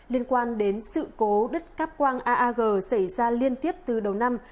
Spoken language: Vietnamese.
liên quan đến sự cố đất cắp quang aag xảy ra liên tiếp từ đầu năm